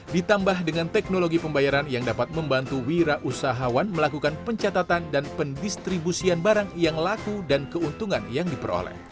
ditambah dengan teknologi pembayaran yang dapat membantu wira usahawan melakukan pencatatan dan pendistribusian barang yang laku dan keuntungan yang diperoleh